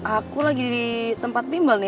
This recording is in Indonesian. aku lagi di tempat bimbal nih